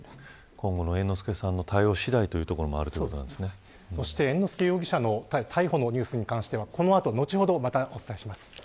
今後の猿之助さんの対応次第というとこ猿之助容疑者の逮捕のニュースに関しては後ほど、またお伝えします。